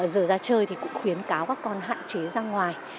giờ ra chơi thì cũng khuyến cáo các con hạn chế ra ngoài